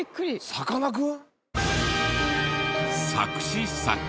さかなクン。